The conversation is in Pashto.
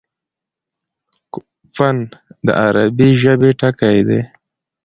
فن: د عربي ژبي ټکی دﺉ.